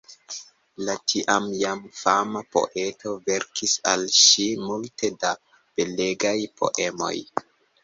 La tiam jam fama poeto verkis al ŝi multe da belegaj poemoj.